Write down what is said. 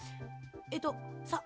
えっとさっ